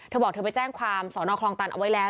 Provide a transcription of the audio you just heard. เธอบอกเธอไปแจ้งความสอนอคลองตันเอาไว้แล้ว